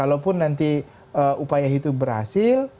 kalaupun nanti upaya itu berhasil